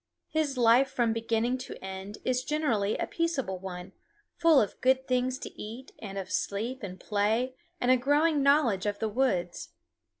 His life from beginning to end is generally a peaceable one, full of good things to eat, and of sleep and play and a growing knowledge of the woods.